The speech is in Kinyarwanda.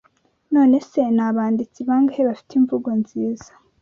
None se ni abanditsi bangahe bafite imvugo nziza